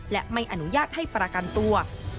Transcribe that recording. และไม่อนุญาตให้ประกันตัว